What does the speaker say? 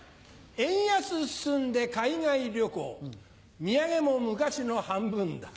円安進んで海外旅行土産も昔の半分だ。